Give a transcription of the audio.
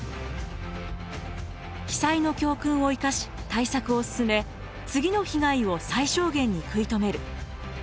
被災の教訓を生かし対策を進め次の被害を最小限に食い止める。